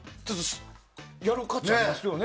やる価値ありますよね。